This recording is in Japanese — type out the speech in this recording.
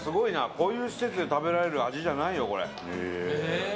こういう施設で食べられる味じゃないよ、これ。